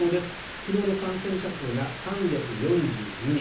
昨日の感染者数が３４２人。